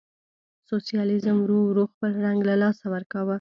سوسیالیزم ورو ورو خپل رنګ له لاسه ورکاوه.